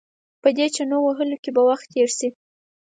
په دې چنو وهلو کې به وخت تېر شي.